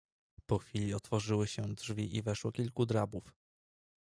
"Po chwili otworzyły się drzwi i weszło kilku drabów."